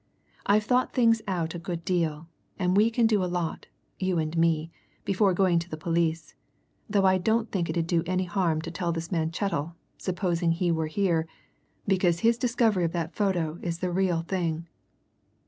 I've thought things out a good deal, and we can do a lot, you and me, before going to the police, though I don't think it 'ud do any harm to tell this man Chettle, supposing he were here because his discovery of that photo is the real thing."